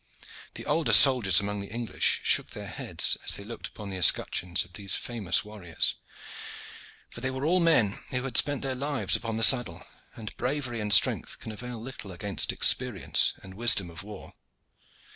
The older soldiers among the English shook their heads as they looked upon the escutcheons of these famous warriors, for they were all men who had spent their lives upon the saddle, and bravery and strength can avail little against experience and wisdom of war.